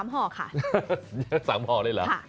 ห่อค่ะ๓ห่อเลยเหรอ